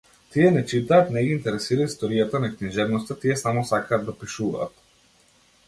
Тие не читаат, не ги интересира историјата на книжевноста, тие само сакат да пишуваат.